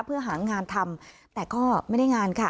เพื่อหางานทำแต่ก็ไม่ได้งานค่ะ